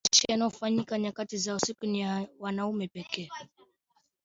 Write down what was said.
Mazishi yanayofanyika nyakati za usiku ni ya wanaume pekee